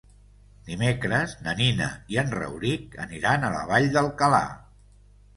Dimecres na Nina i en Rauric aniran a la Vall d'Alcalà.